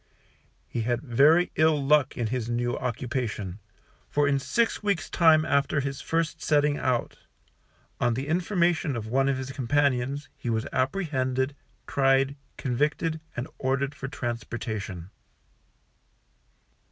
He had very ill luck in his new occupation, for in six weeks' time, after his first setting out on the information of one of his companions, he was apprehended, tried, convicted, and ordered for transportation.